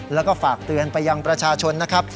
แล้วก็ฝากเตือนไปยังประชาชนนะครับ